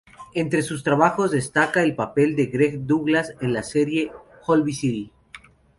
Entre sus trabajos destaca el papel de Greg Douglas en la serie "Holby City".